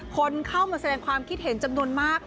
คนเข้ามาแสดงความคิดเห็นจำนวนมาก